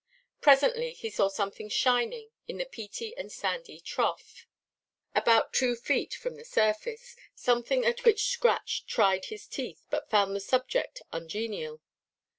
Presently he saw something shining in the peaty and sandy trough, about two feet from the surface, something at which Scratch tried his teeth, but found the subject ungenial.